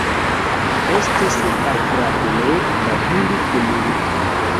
Estis agrable babili kun li.